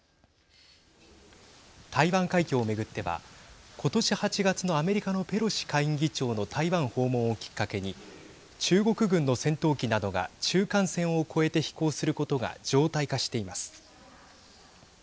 台湾海峡を巡っては今年８月のアメリカのペロシ下院議長の台湾訪問をきっかけに中国軍の戦闘機などが中間線を越えて飛行することが常態化しています。